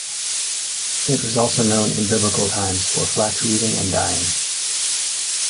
It was also known in biblical times for flax weaving and dyeing.